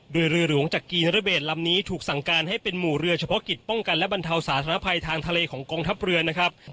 โดยเรือหลวงจักรีนระเบศลำนี้ถูกสั่งการให้เป็นหมู่เรือเฉพาะกิจป้องกันและบรรเทาสาธารณภัยทางทะเลของกองทัพเรือนะครับ